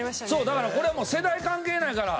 だからこれはもう世代関係ないから。